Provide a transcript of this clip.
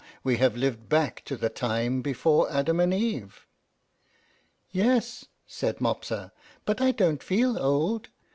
We have lived back to the times before Adam and Eve!" "Yes," said Mopsa; "but I don't feel old.